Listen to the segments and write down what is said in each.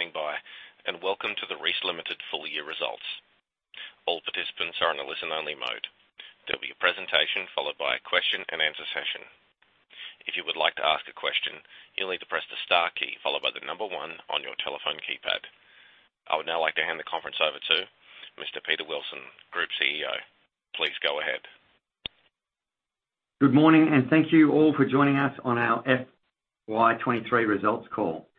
Thank you for standing by, and welcome to the Reece Limited full year results. All participants are in a listen-only mode. There will be a presentation, followed by a question-and-answer session. If you would like to ask a question, you'll need to press the star key followed by the 1 on your telephone keypad. I would now like to hand the conference over to Mr. Peter Wilson, Group CEO. Please go ahead. Good morning, thank you all for joining us on our FY23 results call.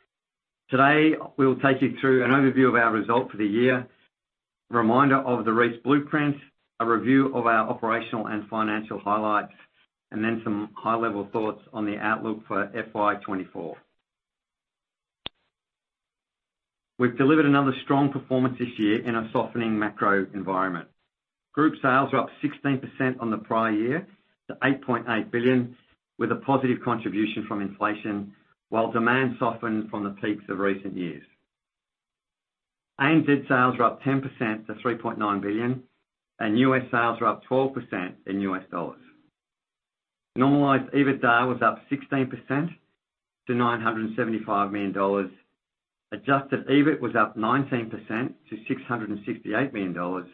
Today, we will take you through an overview of our result for the year, reminder of the Reece lueprint, a review of our operational and financial highlights, and then some high-level thoughts on the outlook for FY24. We've delivered another strong performance this year in a softening macro environment. Group sales are up 16% on the prior year, to 8.8 billion, with a positive contribution from inflation, while demand softened from the peaks of recent years. ANZ sales were up 10% to 3.9 billion, and US sales were up 12% in US dollars. Normalized EBITDA was up 16% to 975 million dollars. Adjusted EBIT was up 19% to 668 million dollars.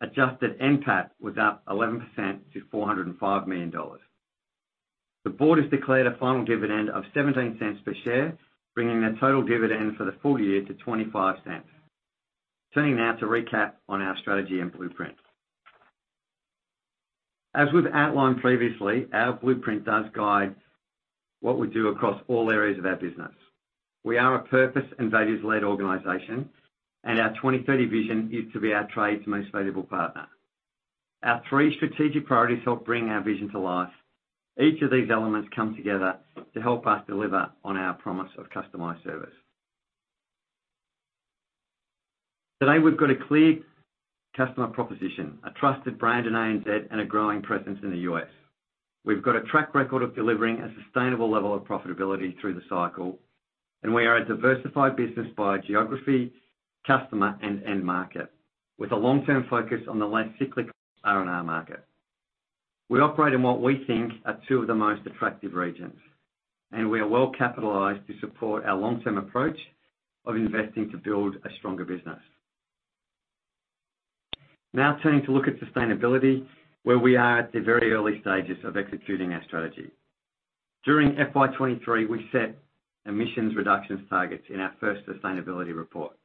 Adjusted NPAT was up 11% to 405 million dollars. The board has declared a final dividend of 0.17 per share, bringing their total dividend for the full year to 0.25. Turning now to recap on our strategy and blueprint. As we've outlined previously, our blueprint does guide what we do across all areas of our business. We are a purpose and values-led organization, and our 2030 vision is to be our trade's most valuable partner. Our three strategic priorities help bring our vision to life. Each of these elements come together to help us deliver on our promise of customized service. Today, we've got a clear customer proposition, a trusted brand in ANZ, and a growing presence in the US. We've got a track record of delivering a sustainable level of profitability through the cycle, and we are a diversified business by geography, customer, and end market, with a long-term focus on the less cyclic R&R market. We operate in what we think are two of the most attractive regions, and we are well-capitalized to support our long-term approach of investing to build a stronger business. Turning to look at sustainability, where we are at the very early stages of executing our strategy. During FY23, we set emissions reductions targets in our first sustainability report,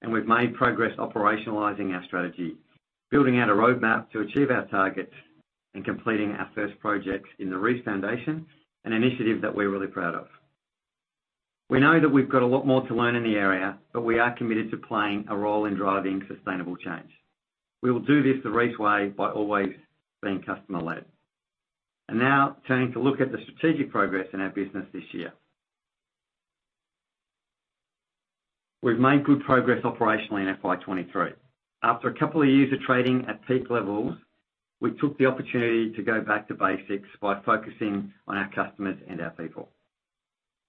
and we've made progress operationalizing our strategy, building out a roadmap to achieve our targets, and completing our first project in the Reece Foundation, an initiative that we're really proud of. We know that we've got a lot more to learn in the area, but we are committed to playing a role in driving sustainable change. We will do this the Reece Way by always being customer-led. Now, turning to look at the strategic progress in our business this year. We've made good progress operationally in FY23. After a couple of years of trading at peak levels, we took the opportunity to go back to basics by focusing on our customers and our people.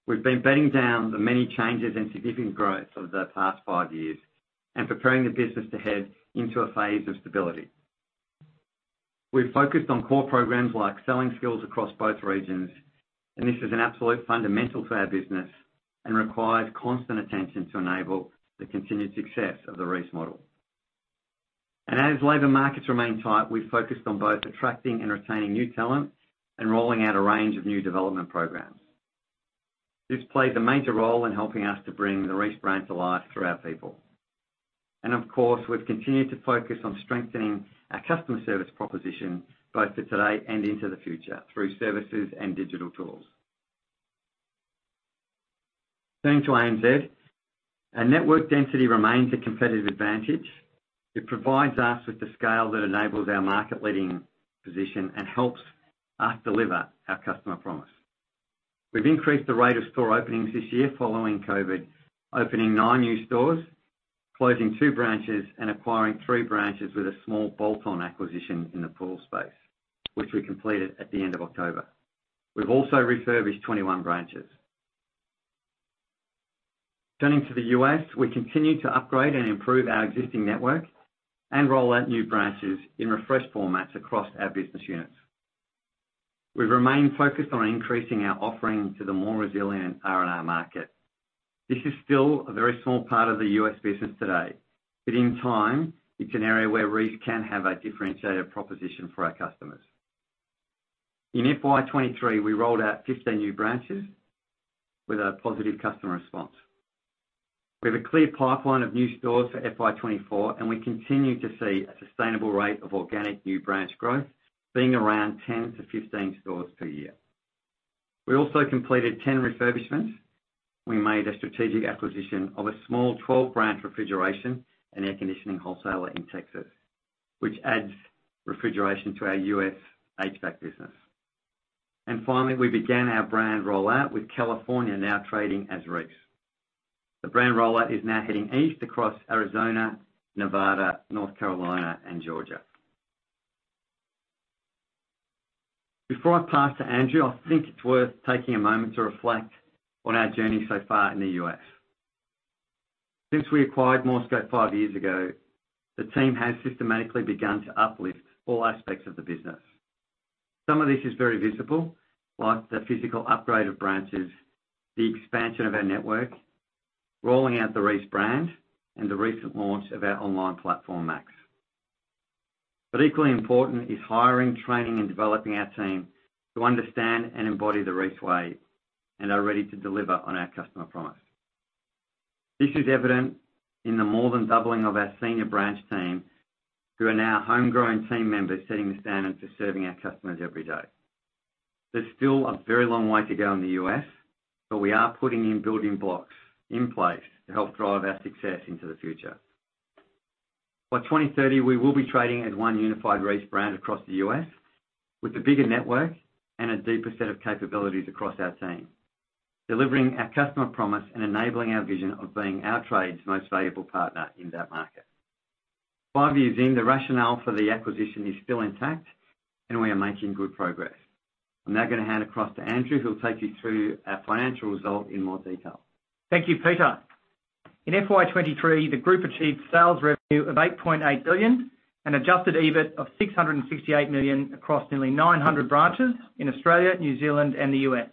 We've been bedding down the many changes and significant growth of the past five years and preparing the business to head into a phase of stability. We've focused on core programs like selling skills across both regions, this is an absolute fundamental for our business and requires constant attention to enable the continued success of the Reece model. As labor markets remain tight, we've focused on both attracting and retaining new talent and rolling out a range of new development programs. This played a major role in helping us to bring the Reece brand to life through our people. Of course, we've continued to focus on strengthening our customer service proposition, both for today and into the future, through services and digital tools. Turning to ANZ, our network density remains a competitive advantage. It provides us with the scale that enables our market-leading position and helps us deliver our customer promise. We've increased the rate of store openings this year following COVID, opening 9 new stores, closing 2 branches, and acquiring 3 branches with a small bolt-on acquisition in the pool space, which we completed at the end of October. We've also refurbished 21 branches. Turning to the US, we continue to upgrade and improve our existing network and roll out new branches in refreshed formats across our business units. We've remained focused on increasing our offerings to the more resilient R&R market. This is still a very small part of the US business today, but in time, it's an area where Reece can have a differentiated proposition for our customers. In FY23, we rolled out 15 new branches with a positive customer response. We have a clear pipeline of new stores for FY24, and we continue to see a sustainable rate of organic new branch growth, being around 10-15 stores per year. We also completed 10 refurbishments. We made a strategic acquisition of a small 12-branch refrigeration and air conditioning wholesaler in Texas, which adds refrigeration to our US HVAC business. Finally, we began our brand rollout, with California now trading as Reece. The brand rollout is now heading east across Arizona, Nevada, North Carolina, and Georgia. Before I pass to Andrew, I think it's worth taking a moment to reflect on our journey so far in the US. Since we acquired Morsco 5 years ago, the team has systematically begun to uplift all aspects of the business. Some of this is very visible, like the physical upgrade of branches, the expansion of our network, rolling out the Reece brand, and the recent launch of our online platform, Max. Equally important is hiring, training, and developing our team to understand and embody the Reece Way, and are ready to deliver on our customer promise. This is evident in the more than doubling of our senior branch team, who are now homegrown team members, setting the standard for serving our customers every day. There's still a very long way to go in the US, but we are putting in building blocks in place to help drive our success into the future. By 2030, we will be trading as one unified Reece brand across the US, with a bigger network and a deeper set of capabilities across our team, delivering our customer promise and enabling our vision of being our trade's most valuable partner in that market. 5 years in, the rationale for the acquisition is still intact. We are making good progress. I'm now gonna hand across to Andrew, who will take you through our financial result in more detail. Thank you, Peter. In FY23, the group achieved sales revenue of 8.8 billion and adjusted EBIT of 668 million across nearly 900 branches in Australia, New Zealand, and the U.S.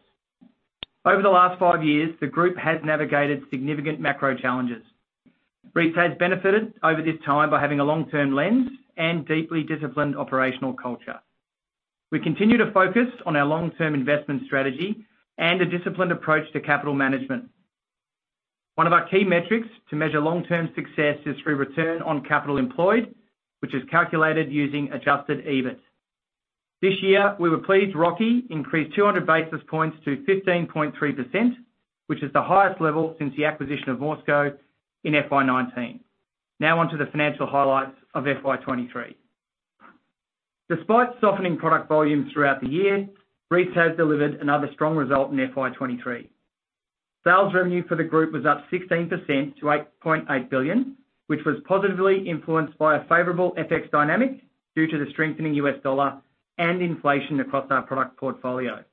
Over the last five years, the group has navigated significant macro challenges. Reece has benefited over this time by having a long-term lens and deeply disciplined operational culture. We continue to focus on our long-term investment strategy and a disciplined approach to capital management. One of our key metrics to measure long-term success is through return on capital employed, which is calculated using adjusted EBIT. This year, we were pleased ROCE increased 200 basis points to 15.3%, which is the highest level since the acquisition of Morsco in FY19. On to the financial highlights of FY23. Despite softening product volumes throughout the year, Reece has delivered another strong result in FY23. Sales revenue for the group was up 16% to $8.8 billion, which was positively influenced by a favorable FX dynamic due to the strengthening US dollar and inflation across our product portfolio.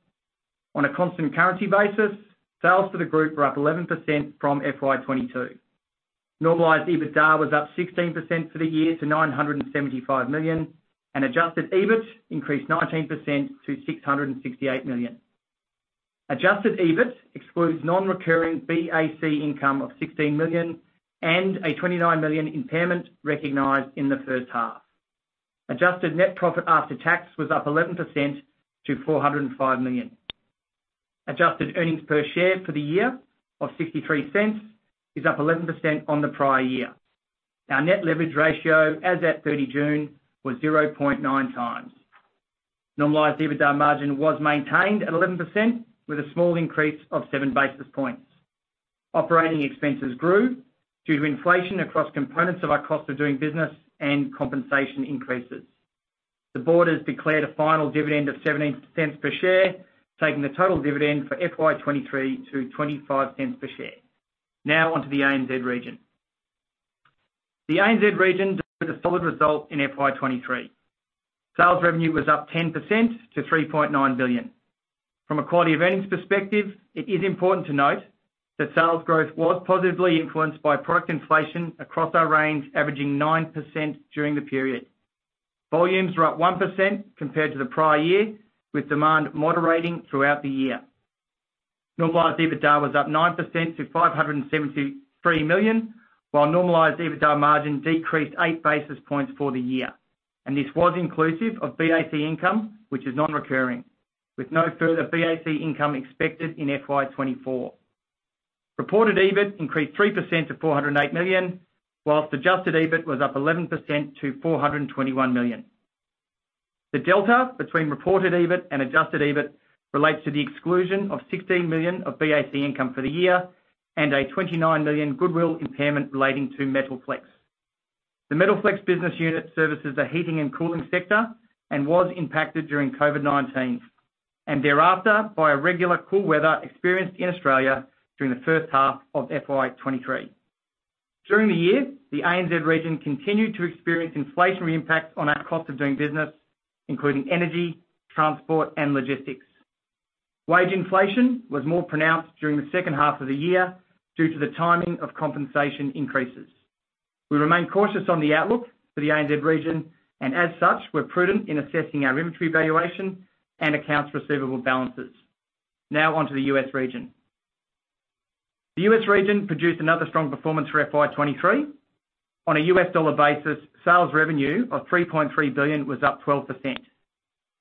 On a constant currency basis, sales to the group were up 11% from FY22. Normalized EBITDA was up 16% for the year to $975 million, and adjusted EBIT increased 19% to $668 million. Adjusted EBIT excludes non-recurring BAC income of $16 million and a $29 million impairment recognized in the first half. Adjusted net profit after tax was up 11% to $405 million. Adjusted earnings per share for the year of $0.63 is up 11% on the prior year. Our net leverage ratio as at 30 June was 0.9 times. Normalized EBITDA margin was maintained at 11%, with a small increase of 7 basis points. Operating expenses grew due to inflation across components of our cost of doing business and compensation increases. The board has declared a final dividend of 0.17 per share, taking the total dividend for FY23 to 0.25 per share. On to the ANZ region. The ANZ region delivered a solid result in FY23. Sales revenue was up 10% to 3.9 billion. From a quality of earnings perspective, it is important to note that sales growth was positively influenced by product inflation across our range, averaging 9% during the period. Volumes were up 1% compared to the prior year, with demand moderating throughout the year. Normalized EBITDA was up 9% to 573 million, while normalized EBITDA margin decreased 8 basis points for the year. This was inclusive of BAC income, which is non-recurring, with no further BAC income expected in FY24. Reported EBIT increased 3% to 408 million, whilst adjusted EBIT was up 11% to 421 million. The delta between reported EBIT and adjusted EBIT relates to the exclusion of 16 million of BAC income for the year and a 29 million goodwill impairment relating to Metalflex. The Metalflex business unit services the heating and cooling sector and was impacted during COVID-19, and thereafter, by a regular cool weather experienced in Australia during the first half of FY23. During the year, the ANZ region continued to experience inflationary impacts on our cost of doing business, including energy, transport, and logistics. Wage inflation was more pronounced during the second half of the year due to the timing of compensation increases. We remain cautious on the outlook for the ANZ region, and as such, we're prudent in assessing our inventory valuation and accounts receivable balances. Now on to the US region. The US region produced another strong performance for FY23. On a US dollar basis, sales revenue of $3.3 billion was up 12%.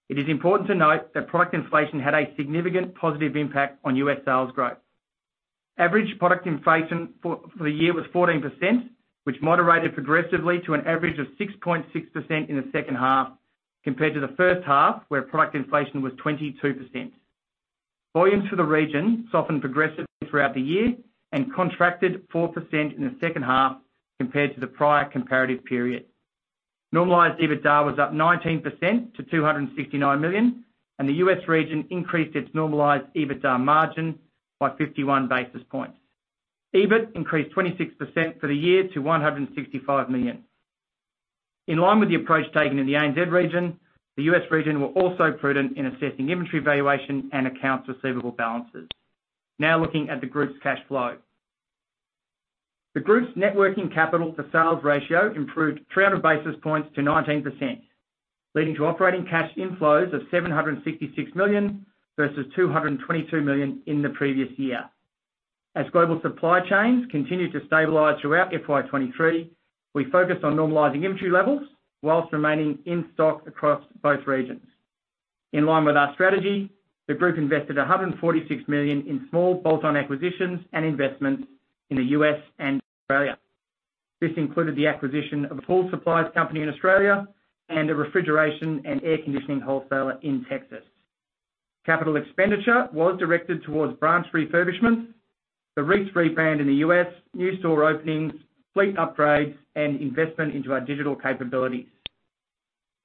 It is important to note that product inflation had a significant positive impact on US sales growth. Average product inflation for the year was 14%, which moderated progressively to an average of 6.6% in the second half, compared to the first half, where product inflation was 22%. Volumes for the region softened progressively throughout the year and contracted 4% in the second half compared to the prior comparative period. Normalized EBITDA was up 19% to 269 million. The US region increased its normalized EBITDA margin by 51 basis points. EBIT increased 26% for the year to 165 million. In line with the approach taken in the ANZ region, the US region were also prudent in assessing inventory valuation and accounts receivable balances. Now looking at the group's cash flow. The group's net working capital to sales ratio improved 300 basis points to 19%, leading to operating cash inflows of 766 million, versus 222 million in the previous year. As global supply chains continue to stabilize throughout FY23, we focused on normalizing inventory levels while remaining in stock across both regions. In line with our strategy, the group invested 146 million in small bolt-on acquisitions and investments in the US and Australia. This included the acquisition of a pool supplies company in Australia and a refrigeration and air conditioning wholesaler in Texas. Capital expenditure was directed towards branch refurbishment, the Reece rebrand in the US, new store openings, fleet upgrades, and investment into our digital capabilities.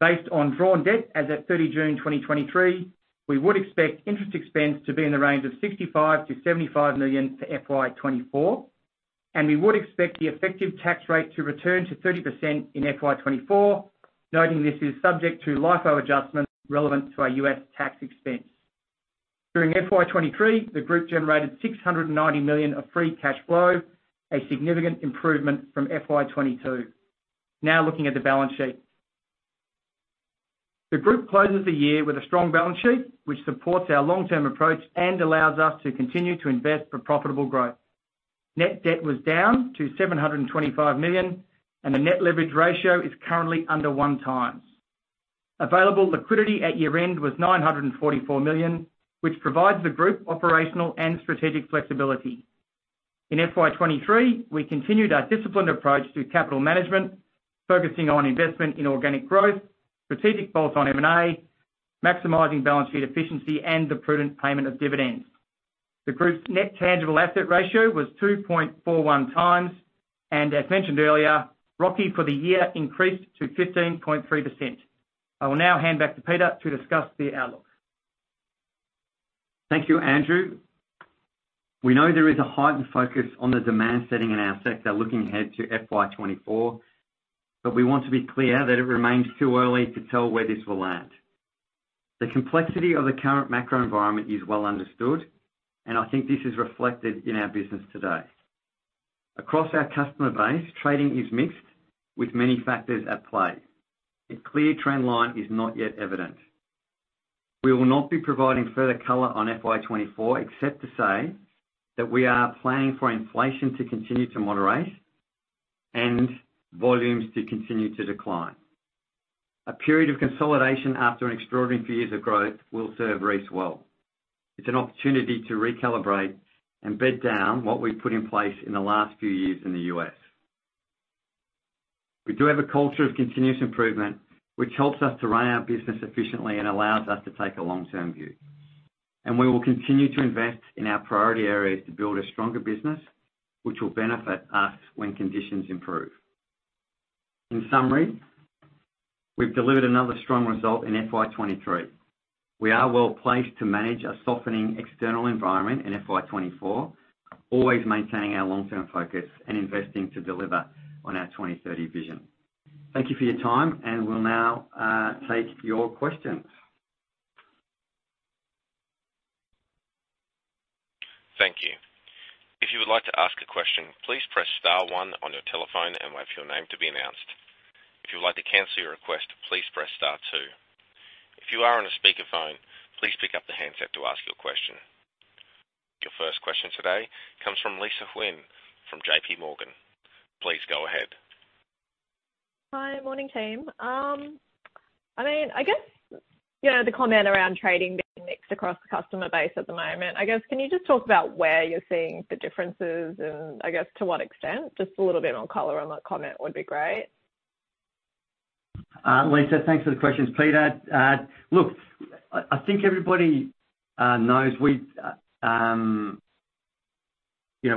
Based on drawn debt as at 30 June 2023, we would expect interest expense to be in the range of 65 million-75 million for FY24. We would expect the effective tax rate to return to 30% in FY24, noting this is subject to LIFO adjustments relevant to our US tax expense. During FY23, the group generated 690 million of free cash flow, a significant improvement from FY22. Looking at the balance sheet. The group closes the year with a strong balance sheet, which supports our long-term approach and allows us to continue to invest for profitable growth. Net debt was down to 725 million. The net leverage ratio is currently under 1 times. Available liquidity at year-end was 944 million, which provides the group operational and strategic flexibility. In FY23, we continued our disciplined approach to capital management, focusing on investment in organic growth, strategic bolt-on M&A, maximizing balance sheet efficiency, and the prudent payment of dividends. The group's net tangible asset ratio was 2.41 times. As mentioned earlier, ROCE for the year increased to 15.3%. I will now hand back to Peter to discuss the outlook. Thank you, Andrew. We know there is a heightened focus on the demand setting in our sector, looking ahead to FY24, but we want to be clear that it remains too early to tell where this will land. The complexity of the current macro environment is well understood, and I think this is reflected in our business today. Across our customer base, trading is mixed, with many factors at play. A clear trend line is not yet evident. We will not be providing further color on FY24, except to say that we are planning for inflation to continue to moderate and volumes to continue to decline. A period of consolidation after an extraordinary few years of growth will serve Reece well. It's an opportunity to recalibrate and bed down what we've put in place in the last few years in the US. We do have a culture of continuous improvement, which helps us to run our business efficiently and allows us to take a long-term view, and we will continue to invest in our priority areas to build a stronger business, which will benefit us when conditions improve. In summary, we've delivered another strong result in FY 2023. We are well placed to manage a softening external environment in FY 2024, always maintaining our long-term focus and investing to deliver on our 2030 vision. Thank you for your time. We'll now take your questions. Thank you. If you would like to ask a question, please press star one on your telephone and wait for your name to be announced. If you would like to cancel your request, please press star two. If you are on a speakerphone, please pick up the handset to ask your question. Your first question today comes from Lisa Huynh from JPMorgan. Please go ahead. Hi. Morning, team. I mean, I guess, you know, the comment around trading being mixed across the customer base at the moment, I guess, can you just talk about where you're seeing the differences and I guess to what extent? Just a little bit more color on that comment would be great. Lisa, thanks for the questions. Peter, look, I, I think everybody, you know, we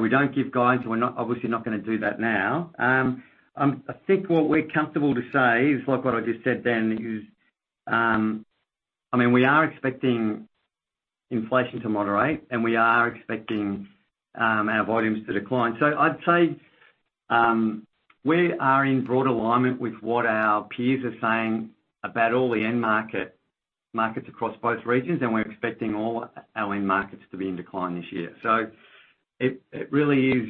don't give guidance, obviously not gonna do that now. I think what we're comfortable to say is, like what I just said then, is, I mean, we are expecting inflation to moderate, and we are expecting our volumes to decline. I'd say, we are in broad alignment with what our peers are saying about all the end market, markets across both regions, and we're expecting all our end markets to be in decline this year. It, it really is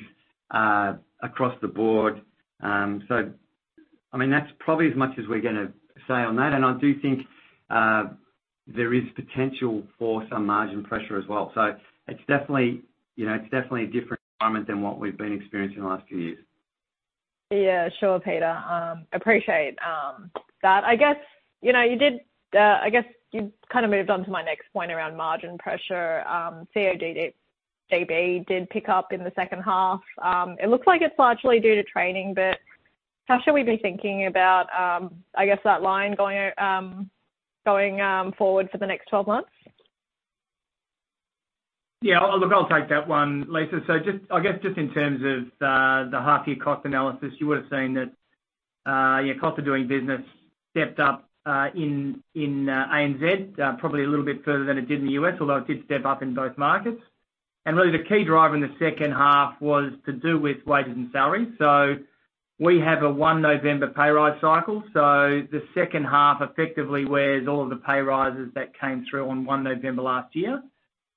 across the board. I mean, that's probably as much as we're gonna say on that. I do think there is potential for some margin pressure as well. It's definitely, you know, it's definitely a different environment than what we've been experiencing in the last few years. Yeah, sure, Peter. Appreciate that. I guess, you know, you did, I guess you kind of moved on to my next point around margin pressure. CODB did pick up in the second half. It looks like it's largely due to training, but how should we be thinking about, I guess that line going forward for the next 12 months? Yeah. Look, I'll take that one, Lisa. Just, I guess, just in terms of the half year cost analysis, you would have seen that, yeah, cost of doing business stepped up in ANZ, probably a little bit further than it did in the US, although it did step up in both markets. Really, the key driver in the second half was to do with wages and salaries. We have a one November pay rise cycle, so the second half effectively weighs all of the pay rises that came through on one November last year.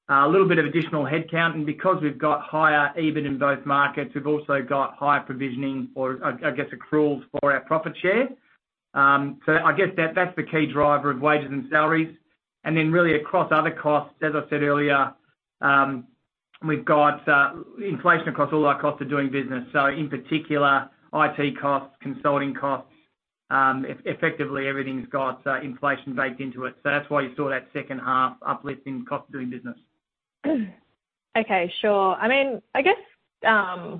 A little bit of additional headcount, and because we've got higher EBIT in both markets, we've also got higher provisioning or I guess, accruals for our profit share. I guess that, that's the key driver of wages and salaries. Really across other costs, as I said earlier, we've got inflation across all our costs of doing business. In particular, IT costs, consulting costs, effectively, everything's got inflation baked into it. That's why you saw that second half uplift in cost of doing business. Okay, sure. I mean, I guess,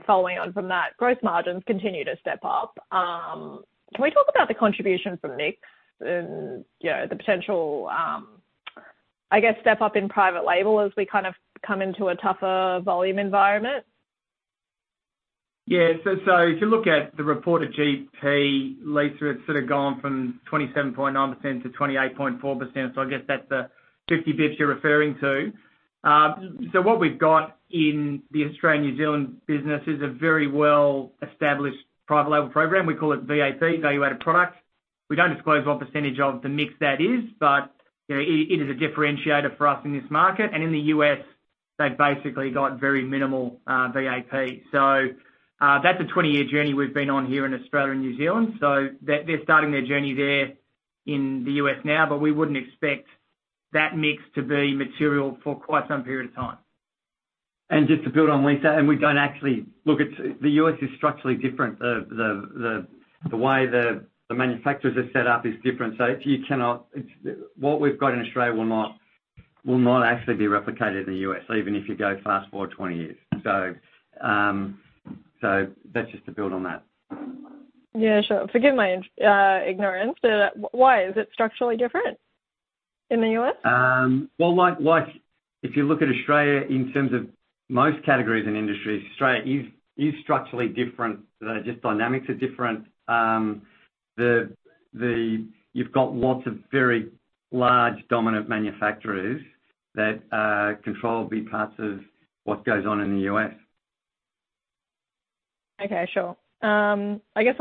following on from that, gross margins continue to step up. Can we talk about the contribution from mix and, you know, the potential, I guess, step up in private label as we kind of come into a tougher volume environment? Yeah. So, if you look at the reported GP, Lisa, it's sort of gone from 27.9% to 28.4%, so I guess that's the 50 bits you're referring to. What we've got in the Australian, New Zealand business is a very well-established private label program. We call it VAP, Value Added Product. We don't disclose what percentage of the mix that is, but, you know, it, it is a differentiator for us in this market, and in the US, they've basically got very minimal VAP. That's a 20-year journey we've been on here in Australia and New Zealand. They're starting their journey there in the US now, but we wouldn't expect that mix to be material for quite some period of time. Just to build on, Lisa, and we don't actually. Look, it's, the US is structurally different. The way the manufacturers are set up is different, so you cannot. It's what we've got in Australia will not actually be replicated in the US, even if you go fast-forward 20 years. That's just to build on that. Yeah, sure. Forgive my ignorance, but why is it structurally different in the US? Well, like, like if you look at Australia, in terms of most categories and industries, Australia is, is structurally different. Just dynamics are different. You've got lots of very large, dominant manufacturers that, control big parts of what goes on in the US. Okay, sure. I guess-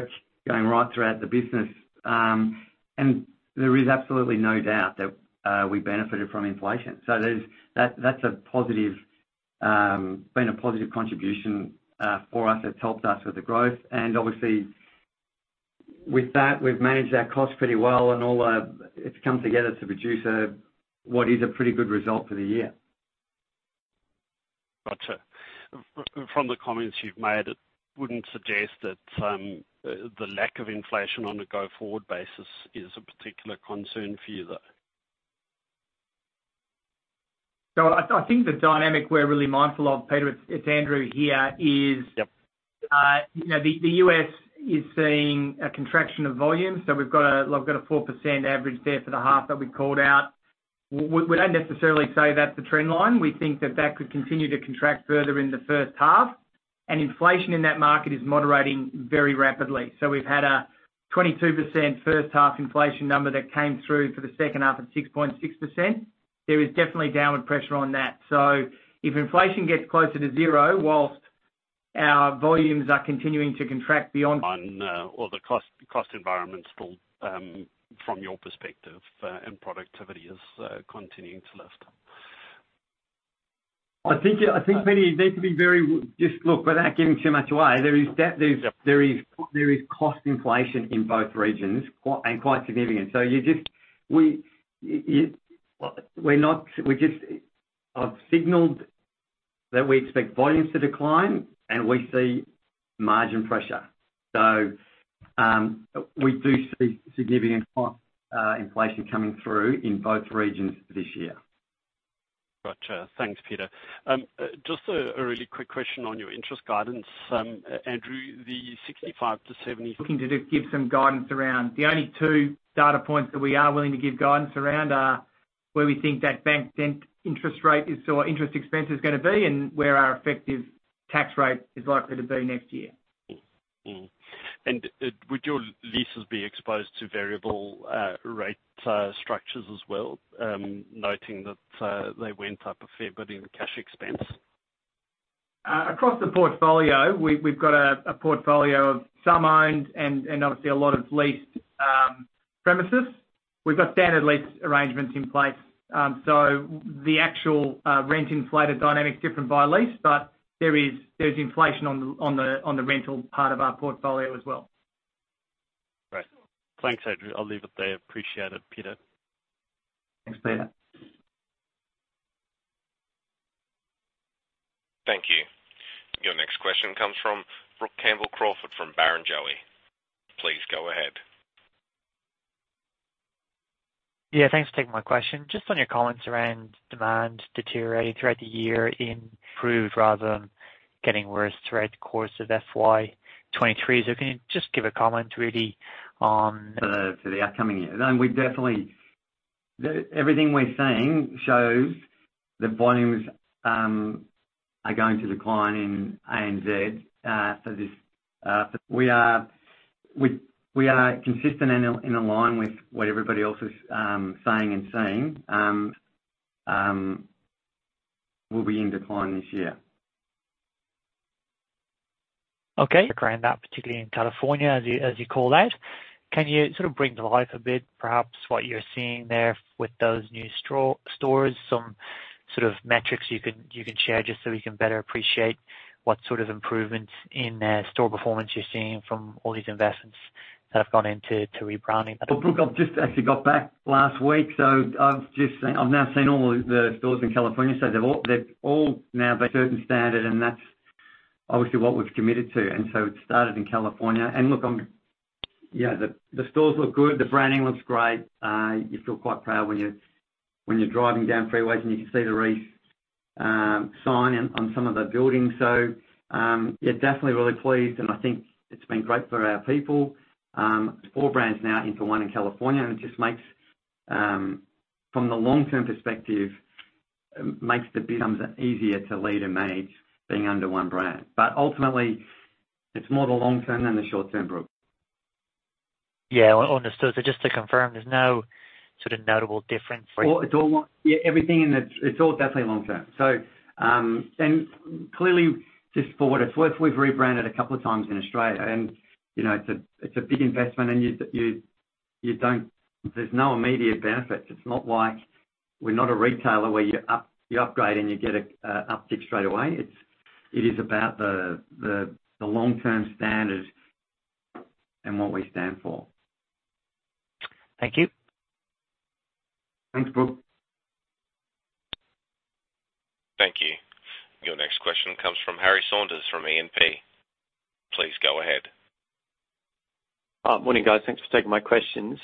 Going right throughout the business. There is absolutely no doubt that we benefited from inflation. There's that's a positive, been a positive contribution for us. It's helped us with the growth, and obviously, with that, we've managed our costs pretty well and all the, it's come together to produce a, what is a pretty good result for the year. Gotcha. From the comments you've made, it wouldn't suggest that the lack of inflation on a go-forward basis is a particular concern for you, though? I, I think the dynamic we're really mindful of, Peter, it's, it's Andrew here. Yep. You know, the US is seeing a contraction of volume, so we've got a 4% average there for the half that we called out. We don't necessarily say that's the trend line. We think that that could continue to contract further in the first half, and inflation in that market is moderating very rapidly. We've had a 22% first half inflation number that came through for the second half at 6.6%. There is definitely downward pressure on that. If inflation gets closer to 0, whilst our volumes are continuing to contract beyond- The cost, cost environment still, from your perspective, and productivity is, continuing to lift. I think, I think, Peter, you need to be very just look, without giving too much away, there is. Yep. There is, there is cost inflation in both regions, and quite significant. We're not, we just signaled that we expect volumes to decline, and we see margin pressure. We do see significant cost inflation coming through in both regions this year. Gotcha. Thanks, Peter. Just a really quick question on your interest guidance. Andrew, the 65 to 70- Looking to just give some guidance around. The only two data points that we are willing to give guidance around are where we think that bank bill interest rate is, so our interest expense is going to be, and where our effective tax rate is likely to be next year. Mm-hmm, mm-hmm. Would your leases be exposed to variable rate structures as well? Noting that, they went up a fair bit in cash expense. Across the portfolio, we've, we've got a portfolio of some owned and, and obviously a lot of leased premises. We've got standard lease arrangements in place. The actual rent inflated dynamic is different by lease, but there is, there's inflation on the, on the, on the rental part of our portfolio as well. Great. Thanks, Andrew. I'll leave it there. Appreciate it. Peter? Thanks, Peter. Thank you. Your next question comes from Brook Campbell-Crawford from Barrenjoey. Please go ahead. Yeah, thanks for taking my question. Just on your comments around demand deteriorating throughout the year improved rather than getting worse throughout the course of FY23. Can you just give a comment really on-? For the, for the upcoming year? We definitely- everything we're seeing shows that volumes are going to decline in ANZ, so this, we are- We, we are consistent and in, in align with what everybody else is saying and seeing. We'll be in decline this year. Okay, grounding that, particularly in California, as you, as you call out. Can you sort of bring to life a bit, perhaps what you're seeing there with those new store, stores? Some sort of metrics you can, you can share, just so we can better appreciate what sort of improvements in store performance you're seeing from all these investments that have gone into, to rebranding? Well, look, I've just actually got back last week, so I've now seen all the stores in California. They've all now been certain standard, and that's obviously what we've committed to, and so it started in California. Look, yeah, the stores look good, the branding looks great. You feel quite proud when you're driving down freeways and you can see the Reece sign on some of the buildings. Yeah, definitely really pleased, and I think it's been great for our people. 4 brands now into 1 in California, and it just makes, from the long-term perspective, makes the business easier to lead and manage being under 1 brand. Ultimately, it's more the long term than the short term, Brook. Yeah. Understood. Just to confirm, there's no sort of notable difference for- Well, it's all, yeah, everything in the, it's all definitely long term. Clearly, just for what it's worth, we've rebranded a couple of times in Australia, and, you know, it's a, it's a big investment. There's no immediate benefit. It's not like we're not a retailer where you upgrade and you get a, a uptick straight away. It's, it is about the, the, the long-term standard and what we stand for. Thank you. Thanks, Brook. Thank you. Your next question comes from Harry Saunders, from E&P. Please go ahead. Morning, guys. Thanks for taking my questions.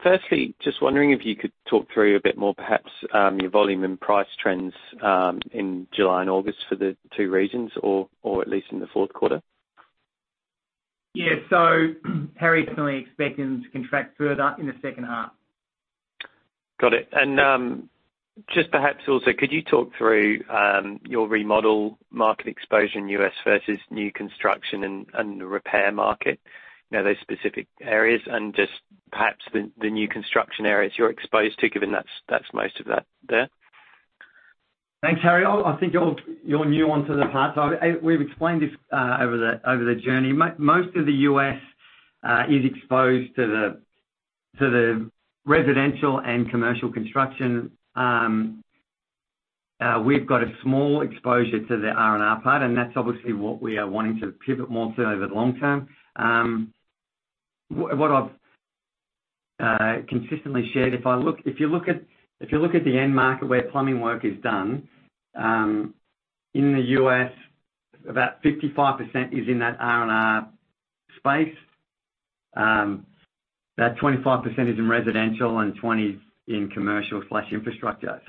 Firstly, just wondering if you could talk through a bit more perhaps, your volume and price trends, in July and August for the two regions or, or at least in the fourth quarter? Yeah. Harry, currently expecting to contract further in the second half. Got it. Just perhaps also, could you talk through your remodel market exposure in US versus new construction and the repair market? You know, those specific areas and just perhaps the new construction areas you're exposed to, given that's, that's most of that there. Thanks, Harry. I, I think you're, you're new onto the part. I-- We've explained this over the, over the journey. Mo- most of the US is exposed to the, to the residential and commercial construction. We've got a small exposure to the R&R part, and that's obviously what we are wanting to pivot more to over the long term. What, what I've consistently shared, if I look-- if you look at, if you look at the end market where plumbing work is done, in the US, about 55% is in that R&R space. About 25% is in residential, and 20 is in commercial slash infrastructure.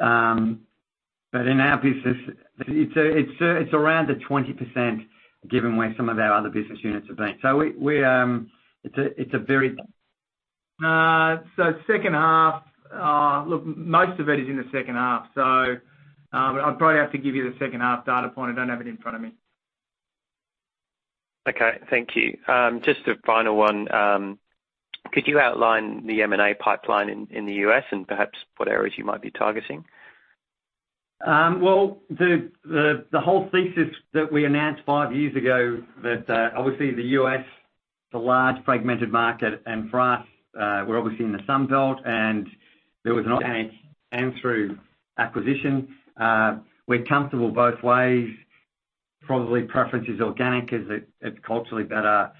In our business, it's a, it's a, it's around the 20%, given where some of our other business units have been. We, we, it's a, it's a so second half, look, most of it is in the second half, so, I'd probably have to give you the second half data point. I don't have it in front of me. Okay, thank you. Just a final one. Could you outline the M&A pipeline in, in the US and perhaps what areas you might be targeting? Well, the whole thesis that we announced 5 years ago that, obviously, the US is a large fragmented market, and for us, we're obviously in the Sun Belt, and there was an organic and through acquisition. We're comfortable both ways. Probably preference is organic because it, it's culturally better.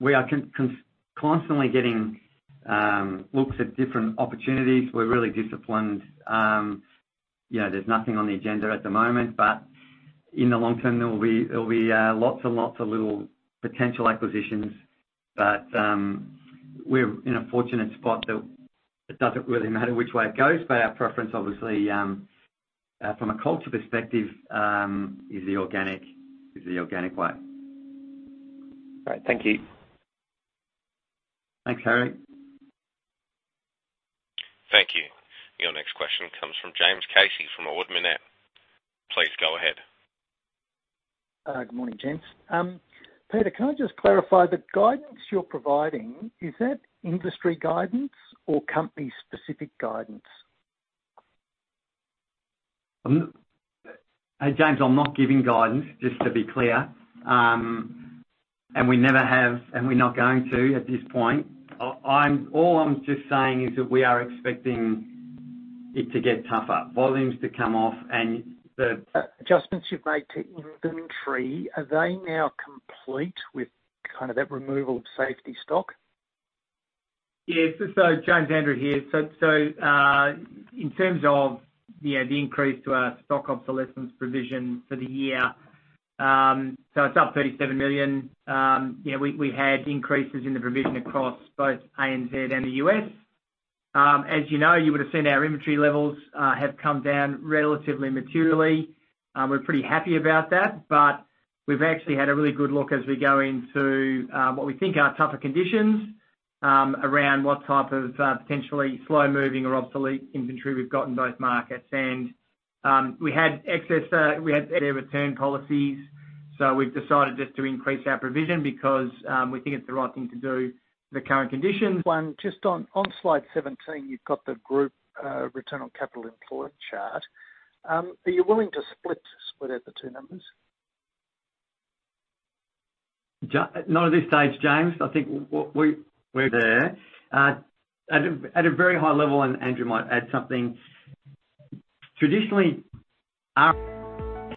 We are constantly getting looks at different opportunities. We're really disciplined. You know, there's nothing on the agenda at the moment, but in the long term, there will be, there'll be lots and lots of little potential acquisitions. We're in a fortunate spot that it doesn't really matter which way it goes, but our preference, obviously, from a culture perspective, is the organic, is the organic way. Great. Thank you. Thanks, Harry. Thank you. Your next question comes from James Casey, from Ord Minnett. Please go ahead. Good morning, gents. Peter, can I just clarify the guidance you're providing, is that industry guidance or company-specific guidance? James, I'm not giving guidance, just to be clear. We never have, and we're not going to at this point. All I'm just saying is that we are expecting it to get tougher, volumes to come off. Adjustments you've made to inventory, are they now complete with kind of that removal of safety stock? Yes. James, Andrew here. In terms of, you know, the increase to our stock obsolescence provision for the year, it's up 37 million. You know, we, we had increases in the provision across both ANZ and the US. As you know, you would have seen our inventory levels have come down relatively materially. We're pretty happy about that, but we've actually had a really good look as we go into what we think are tougher conditions around what type of potentially slow-moving or obsolete inventory we've got in both markets. We had excess. We had their return policies, so we've decided just to increase our provision because we think it's the right thing to do the current conditions. One, just on, on slide 17, you've got the group return on capital employed chart. Are you willing to split, split out the two numbers? Not at this stage, James. I think what we, we're there. At a, at a very high level, and Andrew might add something. Traditionally.